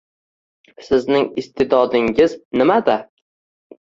- Sizning iste'dodingiz nimada?